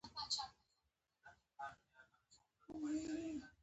دوی وریجې کرل.